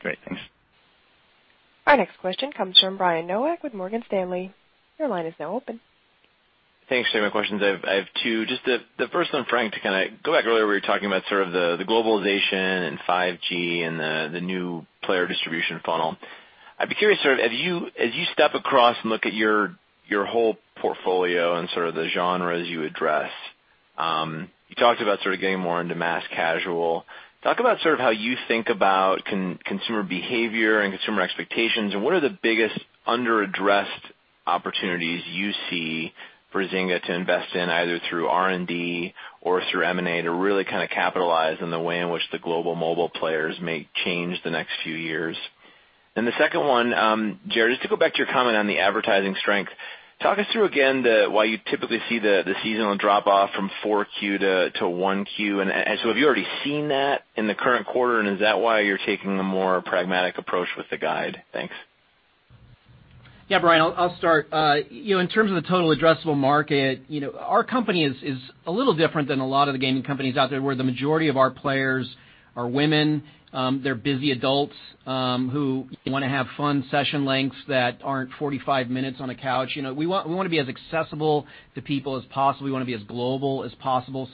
Great. Thanks. Our next question comes from Brian Nowak with Morgan Stanley. Your line is now open. Thanks. For my questions, I have two. The first one, Frank, to kind of go back earlier where you were talking about sort of the globalization and 5G and the new player distribution funnel. I'd be curious, as you step across and look at your whole portfolio and sort of the genres you address. You talked about sort of getting more into mass casual. Talk about sort of how you think about consumer behavior and consumer expectations, and what are the biggest under-addressed opportunities you see for Zynga to invest in, either through R&D or through M&A, to really kind of capitalize on the way in which the global mobile players may change the next few years? The second one, Gerard, just to go back to your comment on the advertising strength. Talk us through again why you typically see the seasonal drop-off from 4Q to 1Q. Have you already seen that in the current quarter? Is that why you're taking a more pragmatic approach with the guide? Thanks. Yeah, Brian, I'll start. In terms of the total addressable market, our company is a little different than a lot of the gaming companies out there, where the majority of our players are women. They're busy adults who want to have fun session lengths that aren't 45 minutes on a couch. We want to be as accessible to people as possible. We want to be as global as possible.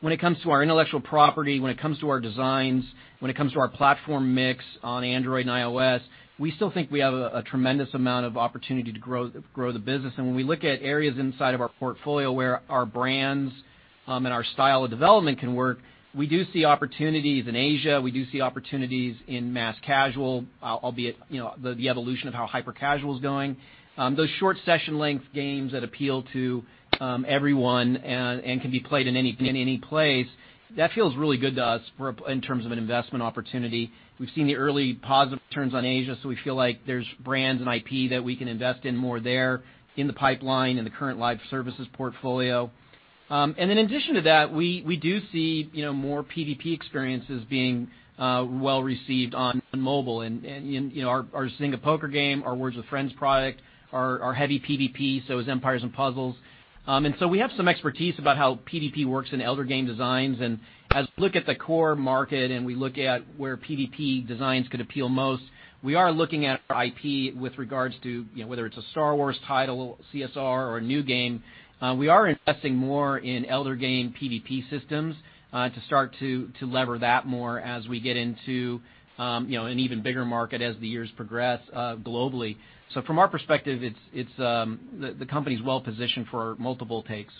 When it comes to our intellectual property, when it comes to our designs, when it comes to our platform mix on Android and iOS, we still think we have a tremendous amount of opportunity to grow the business. When we look at areas inside of our portfolio where our brands and our style of development can work, we do see opportunities in Asia. We do see opportunities in mass casual, albeit the evolution of how hyper-casual is going. Those short session length games that appeal to everyone and can be played in any place, that feels really good to us in terms of an investment opportunity. We've seen the early positive returns on Asia, so we feel like there's brands and IP that we can invest in more there in the pipeline, in the current live services portfolio. In addition to that, we do see more PVP experiences being well-received on mobile and our Zynga Poker game, our Words With Friends product, our heavy PVP, so is Empires & Puzzles. We have some expertise about how PVP works in elder game designs. As we look at the core market and we look at where PVP designs could appeal most, we are looking at our IP with regards to whether it's a Star Wars title, CSR or a new game. We are investing more in elder game PVP systems to start to lever that more as we get into an even bigger market as the years progress globally. From our perspective, the company's well positioned for multiple takes.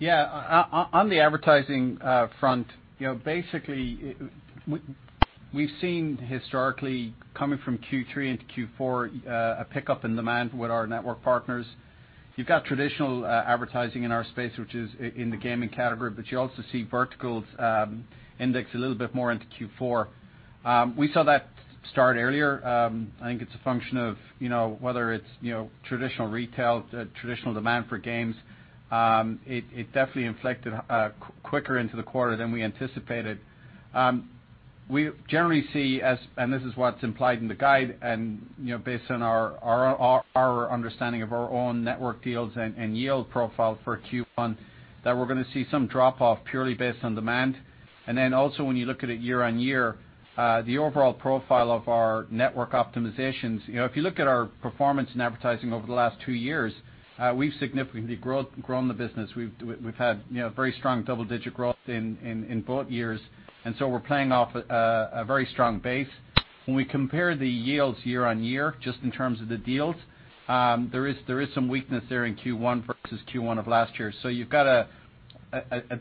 Yeah. On the advertising front, basically we've seen historically coming from Q3 into Q4, a pickup in demand with our network partners. You've got traditional advertising in our space, which is in the gaming category, but you also see verticals index a little bit more into Q4. We saw that start earlier. I think it's a function of whether it's traditional retail, traditional demand for games. It definitely inflected quicker into the quarter than we anticipated. We generally see as, this is what's implied in the guide, based on our understanding of our own network deals and yield profile for Q1, that we're going to see some drop-off purely based on demand. Also when you look at it year-on-year, the overall profile of our network optimizations. If you look at our performance in advertising over the last two years, we've significantly grown the business. We've had very strong double-digit growth in both years, and so we're playing off a very strong base. When we compare the yields year-over-year, just in terms of the deals, there is some weakness there in Q1 versus Q1 of last year. You've got a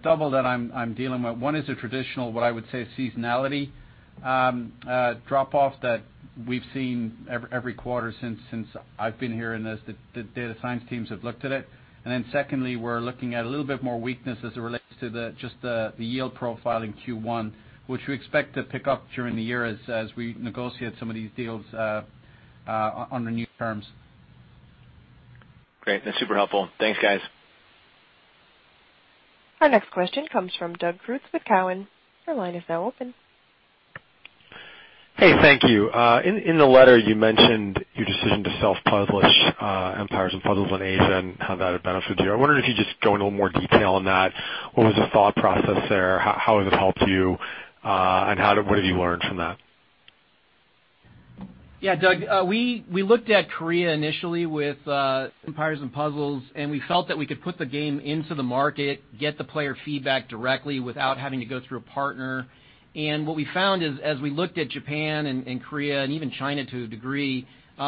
double that I'm dealing with. One is a traditional, what I would say, seasonality drop-off that we've seen every quarter since I've been here and as the data science teams have looked at it. Secondly, we're looking at a little bit more weakness as it relates to just the yield profile in Q1, which we expect to pick up during the year as we negotiate some of these deals under new terms. Great. That's super helpful. Thanks, guys. Our next question comes from Doug Creutz with Cowen. Your line is now open. Hey, thank you. In the letter, you mentioned your decision to self-publish Empires & Puzzles on Asia and how that had benefited you. I wondered if you'd just go into a little more detail on that. What was the thought process there? How has it helped you? What have you learned from that? Yeah, Doug, we looked at Korea initially with Empires & Puzzles, we felt that we could put the game into the market, get the player feedback directly without having to go through a partner. What we found is, as we looked at Japan and Korea and even China to a degree,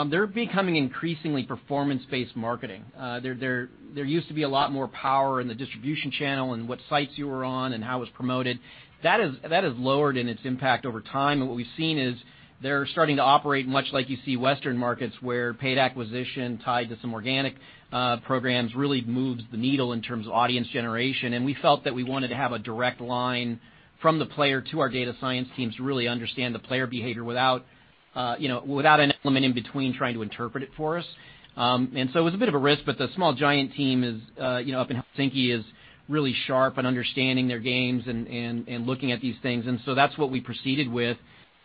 they're becoming increasingly performance-based marketing. There used to be a lot more power in the distribution channel and what sites you were on and how it was promoted. That has lowered in its impact over time. What we've seen is they're starting to operate much like you see Western markets, where paid acquisition tied to some organic programs really moves the needle in terms of audience generation. We felt that we wanted to have a direct line from the player to our data science teams to really understand the player behavior without an element in between trying to interpret it for us. It was a bit of a risk, but the Small Giant Games team up in Helsinki is really sharp in understanding their games and looking at these things. That's what we proceeded with.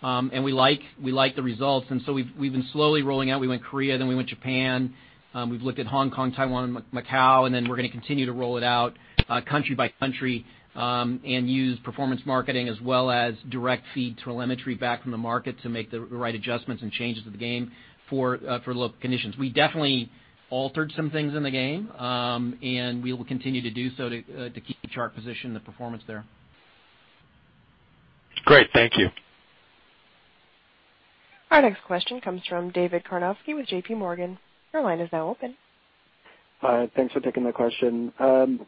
We like the results. We've been slowly rolling out. We went Korea, then we went Japan. We've looked at Hong Kong, Taiwan, and Macau, and then we're going to continue to roll it out country by country and use performance marketing as well as direct feed telemetry back from the market to make the right adjustments and changes to the game for local conditions. We definitely altered some things in the game, and we will continue to do so to keep the chart position, the performance there. Great. Thank you. Our next question comes from David Karnovsky with JPMorgan. Your line is now open. Hi. Thanks for taking my question.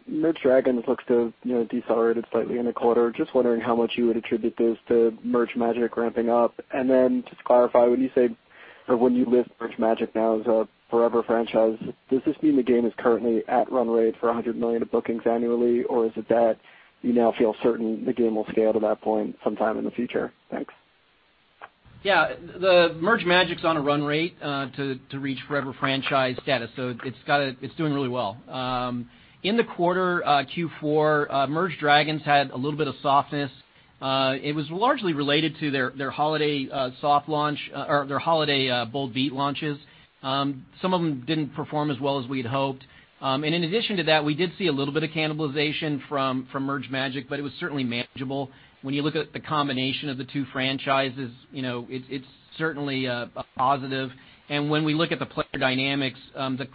Merge Dragons! looks to have decelerated slightly in the quarter. Just wondering how much you would attribute this to Merge Magic! ramping up. Just to clarify, when you list Merge Magic! now as a forever franchise, does this mean the game is currently at run rate for $100 million of bookings annually, or is it that you now feel certain the game will scale to that point sometime in the future? Thanks. Yeah. Merge Magic's on a run rate to reach forever franchise status, so it's doing really well. In the quarter, Q4, Merge Dragons! had a little bit of softness. It was largely related to their holiday Bold Beat launches. Some of them didn't perform as well as we'd hoped. And in addition to that, we did see a little bit of cannibalization from Merge Magic! but it was certainly manageable. When you look at the combination of the two franchises, it's certainly a positive. And when we look at the player dynamics, the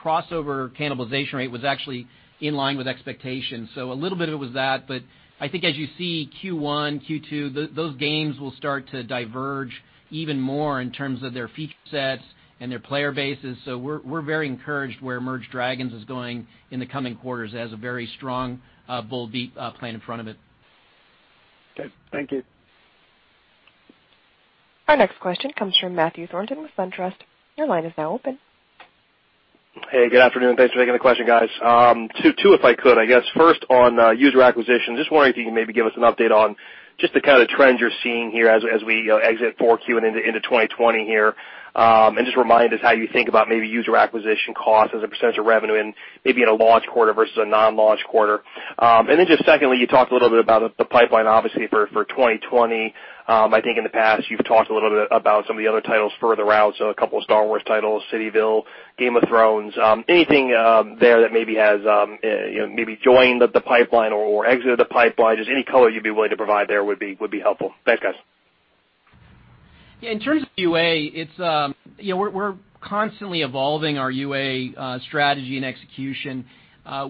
crossover cannibalization rate was actually in line with expectations. A little bit of it was that, but I think as you see Q1, Q2, those games will start to diverge even more in terms of their feature sets and their player bases. We're very encouraged where Merge Dragons! is going in the coming quarters as a very strong bold beats plan in front of it. Okay. Thank you. Our next question comes from Matthew Thornton with SunTrust. Your line is now open. Hey, good afternoon, and thanks for taking the question, guys. Two if I could. I guess first on user acquisition, just wondering if you can maybe give us an update on just the kind of trends you're seeing here as we exit 4Q and into 2020 here? Just remind us how you think about maybe user acquisition costs as a percentage of revenue and maybe in a launch quarter versus a non-launch quarter? Then just secondly, you talked a little bit about the pipeline, obviously, for 2020. I think in the past you've talked a little bit about some of the other titles further out. A couple of Star Wars titles, CityVille, Game of Thrones. Anything there that maybe has joined the pipeline or exited the pipeline, just any color you'd be willing to provide there would be helpful? Thanks, guys. Yeah. In terms of UA, we're constantly evolving our UA strategy and execution.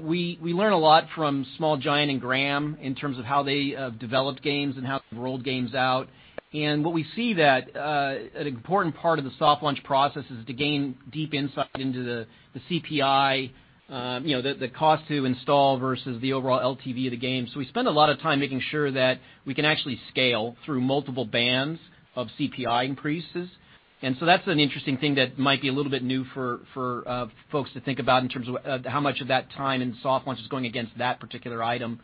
We learn a lot from Small Giant and Gram in terms of how they developed games and how they rolled games out. What we see that an important part of the soft launch process is to gain deep insight into the CPI, the cost to install versus the overall LTV of the game. We spend a lot of time making sure that we can actually scale through multiple bands of CPI increases. That's an interesting thing that might be a little bit new for folks to think about in terms of how much of that time and soft launch is going against that particular item.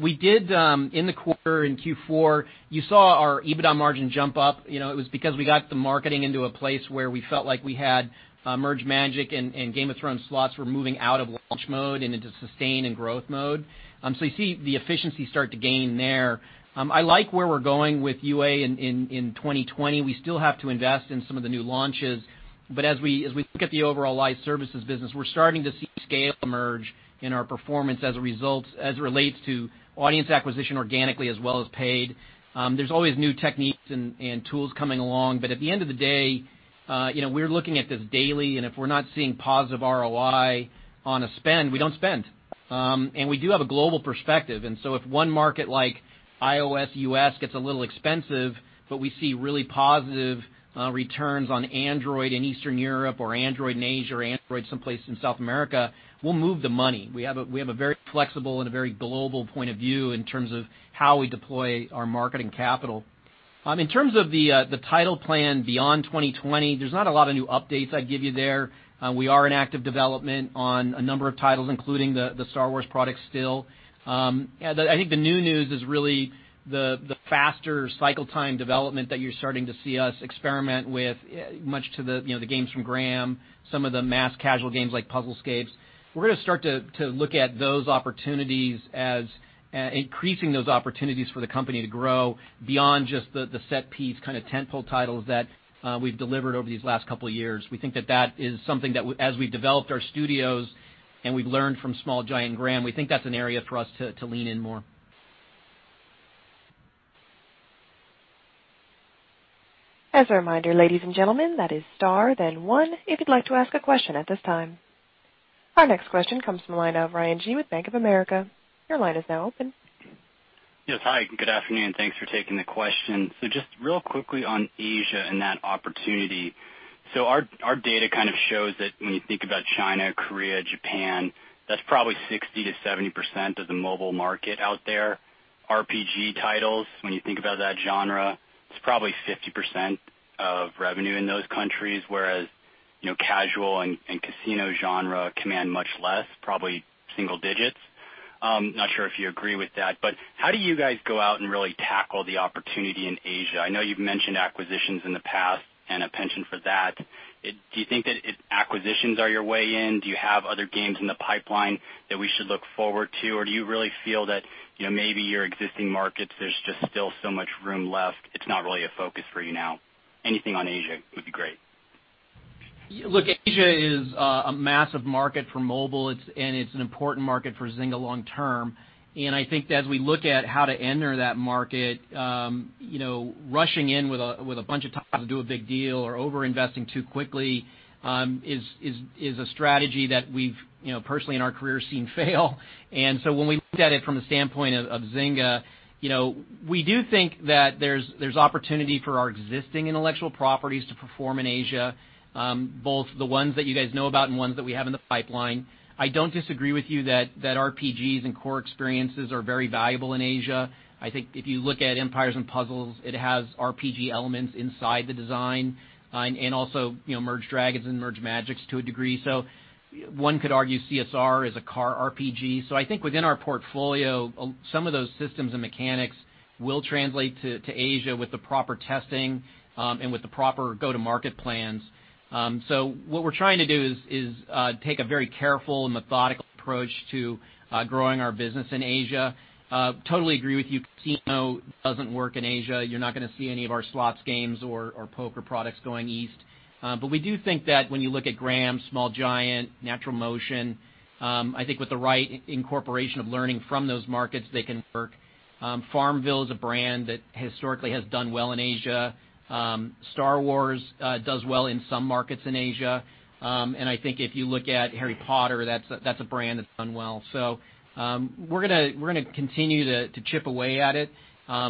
We did in the quarter, in Q4, you saw our EBITDA margin jump up. It was because we got the marketing into a place where we felt like we had Merge Magic! and Game of Thrones Slots were moving out of launch mode and into sustain and growth mode. You see the efficiency start to gain there. I like where we're going with UA in 2020. We still have to invest in some of the new launches. As we look at the overall live services business, we're starting to see scale emerge in our performance as it relates to audience acquisition organically as well as paid. There's always new techniques and tools coming along. At the end of the day, we're looking at this daily, and if we're not seeing positive ROI on a spend, we don't spend. We do have a global perspective, and so if one market like iOS U.S. gets a little expensive, but we see really positive returns on Android in Eastern Europe or Android in Asia or Android someplace in South America, we'll move the money. We have a very flexible and a very global point of view in terms of how we deploy our marketing capital. In terms of the title plan beyond 2020, there's not a lot of new updates I'd give you there. We are in active development on a number of titles, including the Star Wars product still. I think the new news is really the faster cycle time development that you're starting to see us experiment with much to the games from Gram, some of the mass casual games like Puzzlescapes. We're going to start to look at those opportunities as increasing those opportunities for the company to grow beyond just the set piece kind of tentpole titles that we've delivered over these last couple of years. We think that that is something that as we've developed our studios and we've learned from Small Giant and Gram, we think that's an area for us to lean in more. As a reminder, ladies and gentlemen, that is star, then one if you'd like to ask a question at this time. Our next question comes from the line of Ryan Gee with Bank of America. Your line is now open. Yes. Hi, good afternoon. Thanks for taking the question. Just real quickly on Asia and that opportunity. Our data kind of shows that when you think about China, Korea, Japan, that's probably 60%-70% of the mobile market out there. RPG titles, when you think about that genre, it's probably 50% of revenue in those countries, whereas casual and casino genre command much less, probably single digits. Not sure if you agree with that, but how do you guys go out and really tackle the opportunity in Asia? I know you've mentioned acquisitions in the past and a penchant for that. Do you think that acquisitions are your way in? Do you have other games in the pipeline that we should look forward to, or do you really feel that maybe your existing markets, there's just still so much room left, it's not really a focus for you now? Anything on Asia would be great. Look, Asia is a massive market for mobile, it's an important market for Zynga long term. I think as we look at how to enter that market rushing in with a bunch of titles to do a big deal or over-investing too quickly is a strategy that we've personally in our careers seen fail. When we looked at it from the standpoint of Zynga, we do think that there's opportunity for our existing intellectual properties to perform in Asia, both the ones that you guys know about and ones that we have in the pipeline. I don't disagree with you that RPGs and core experiences are very valuable in Asia. I think if you look at Empires & Puzzles, it has RPG elements inside the design, also Merge Dragons! and Merge Magic! to a degree. One could argue CSR is a car RPG. I think within our portfolio, some of those systems and mechanics will translate to Asia with the proper testing and with the proper go-to-market plans. What we're trying to do is take a very careful and methodical approach to growing our business in Asia. Totally agree with you, casino doesn't work in Asia. You're not going to see any of our slots games or poker products going east. We do think that when you look at Gram, Small Giant, NaturalMotion, I think with the right incorporation of learning from those markets, they can work. FarmVille is a brand that historically has done well in Asia. Star Wars does well in some markets in Asia. I think if you look at Harry Potter, that's a brand that's done well. We're going to continue to chip away at it.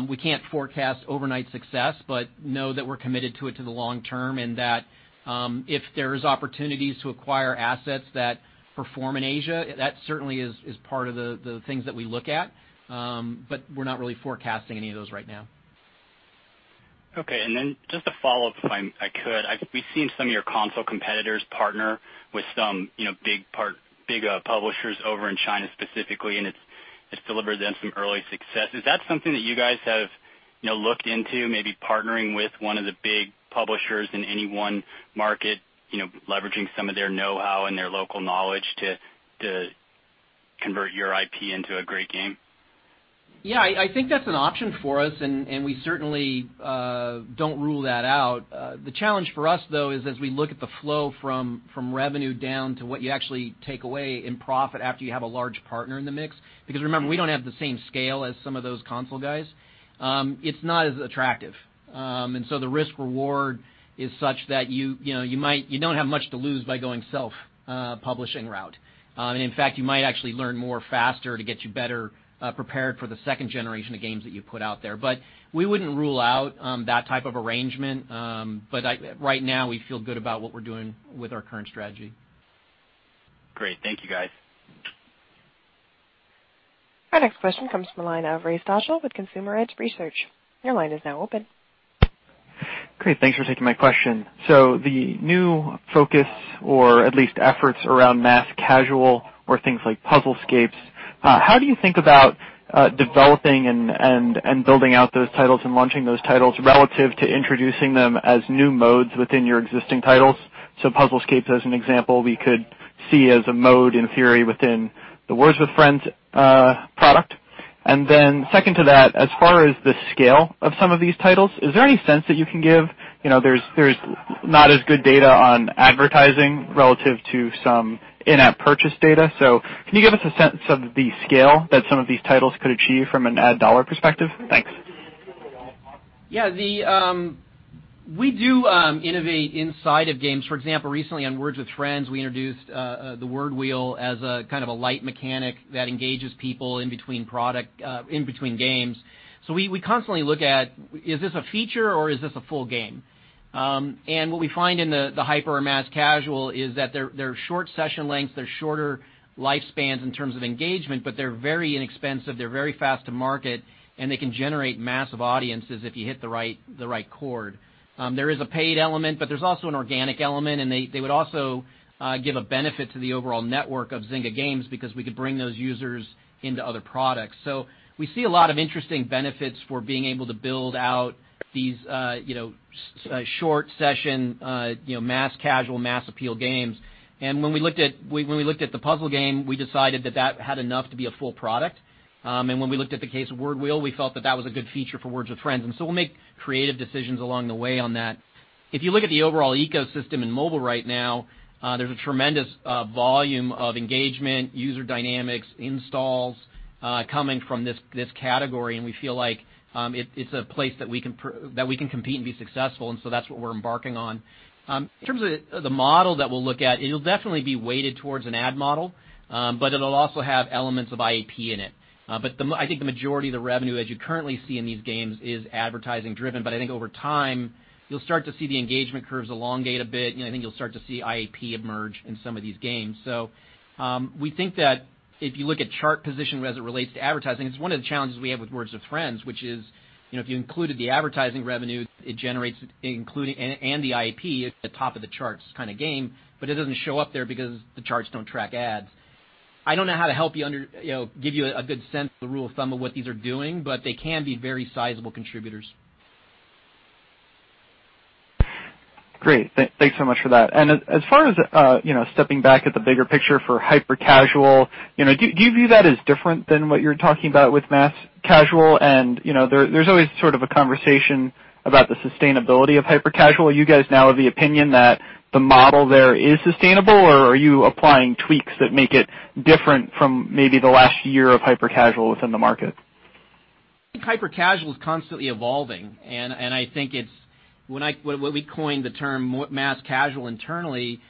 We can't forecast overnight success, but know that we're committed to it to the long term, and that if there's opportunities to acquire assets that perform in Asia, that certainly is part of the things that we look at. We're not really forecasting any of those right now. Okay, just a follow-up, if I could. We've seen some of your console competitors partner with some big publishers over in China specifically, and it's delivered them some early success. Is that something that you guys have looked into, maybe partnering with one of the big publishers in any one market, leveraging some of their know-how and their local knowledge to convert your IP into a great game? Yeah, I think that's an option for us, and we certainly don't rule that out. The challenge for us, though, is as we look at the flow from revenue down to what you actually take away in profit after you have a large partner in the mix, because remember, we don't have the same scale as some of those console guys. It's not as attractive. The risk-reward is such that you don't have much to lose by going self-publishing route. In fact, you might actually learn more faster to get you better prepared for the second generation of games that you put out there. We wouldn't rule out that type of arrangement. Right now, we feel good about what we're doing with our current strategy. Great. Thank you, guys. Our next question comes from the line of Ray Stochel with Consumer Edge Research. Your line is now open. Thanks for taking my question. The new focus or at least efforts around mass casual or things like Puzzlescapes, how do you think about developing and building out those titles and launching those titles relative to introducing them as new modes within your existing titles? Puzzlescapes, as an example, we could see as a mode in theory within the Words With Friends product. Second to that, as far as the scale of some of these titles, is there any sense that you can give? There's not as good data on advertising relative to some in-app purchase data. Can you give us a sense of the scale that some of these titles could achieve from an ad dollar perspective? Thanks. Yeah. We do innovate inside of games. For example, recently on Words with Friends, we introduced the Word Wheel as a kind of a light mechanic that engages people in between games. We constantly look at, is this a feature or is this a full game? What we find in the hyper or mass casual is that they're short session lengths, they're shorter lifespans in terms of engagement, but they're very inexpensive, they're very fast to market, and they can generate massive audiences if you hit the right chord. There is a paid element, but there's also an organic element, and they would also give a benefit to the overall network of Zynga games because we could bring those users into other products. We see a lot of interesting benefits for being able to build out these short session, mass casual, mass appeal games. When we looked at the puzzle game, we decided that that had enough to be a full product. When we looked at the case of Word Wheel, we felt that that was a good feature for Words With Friends. We'll make creative decisions along the way on that. If you look at the overall ecosystem in mobile right now, there's a tremendous volume of engagement, user dynamics, installs coming from this category, and we feel like it's a place that we can compete and be successful, and so that's what we're embarking on. In terms of the model that we'll look at, it'll definitely be weighted towards an ad model, but it'll also have elements of IAP in it. I think the majority of the revenue as you currently see in these games is advertising driven. I think over time, you'll start to see the engagement curves elongate a bit, and I think you'll start to see IAP emerge in some of these games. We think that if you look at chart position as it relates to advertising, it's one of the challenges we have with Words With Friends, which is, if you included the advertising revenue it generates and the IAP, it's a top of the charts kind of game, but it doesn't show up there because the charts don't track ads. I don't know how to give you a good sense of the rule of thumb of what these are doing, but they can be very sizable contributors. Great. Thanks so much for that. As far as stepping back at the bigger picture for hyper casual, do you view that as different than what you're talking about with mass casual? There's always sort of a conversation about the sustainability of hyper casual. Are you guys now of the opinion that the model there is sustainable, or are you applying tweaks that make it different from maybe the last year of hyper casual within the market? Hyper casual is constantly evolving, I think when we coined the term mass casual internally,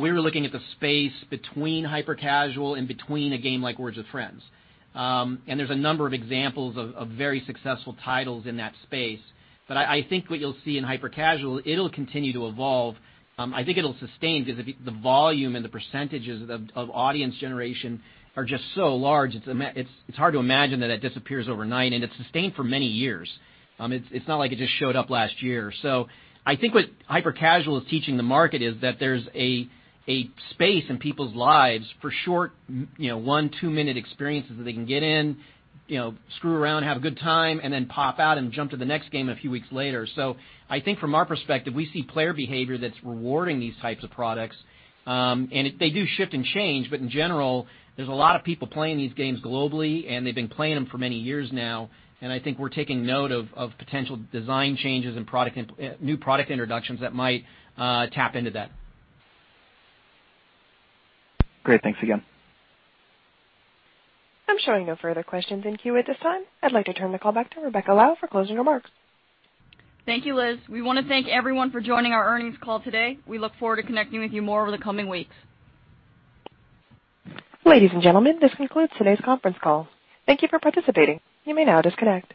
we were looking at the space between hyper casual and between a game like Words With Friends. There's a number of examples of very successful titles in that space. I think what you'll see in hyper casual, it'll continue to evolve. I think it'll sustain because the volume and the percentages of audience generation are just so large, it's hard to imagine that it disappears overnight, and it's sustained for many years. It's not like it just showed up last year. I think what hyper casual is teaching the market is that there's a space in people's lives for short, one, two-minute experiences that they can get in, screw around, have a good time, and then pop out and jump to the next game a few weeks later. I think from our perspective, we see player behavior that's rewarding these types of products. They do shift and change, but in general, there's a lot of people playing these games globally, and they've been playing them for many years now, and I think we're taking note of potential design changes and new product introductions that might tap into that. Great. Thanks again. I'm showing no further questions in queue at this time. I'd like to turn the call back to Rebecca Lau for closing remarks. Thank you, Liz. We want to thank everyone for joining our earnings call today. We look forward to connecting with you more over the coming weeks. Ladies and gentlemen, this concludes today's conference call. Thank you for participating. You may now disconnect.